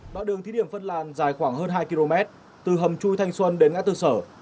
đoạn đường thí điểm phân làn dài khoảng hơn hai km từ hầm chui thanh xuân đến ngã tư sở